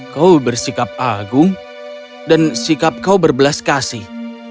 kau bersikap agung dan sikap kau berbelas kasih